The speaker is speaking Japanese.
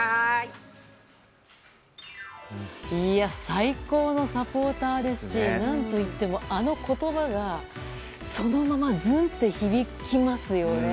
最高のサポーターですし何といってもあの言葉がそのままズンって響きますよね。